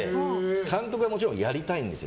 監督はもちろんやりたいんです。